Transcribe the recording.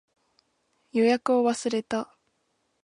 予約を忘れた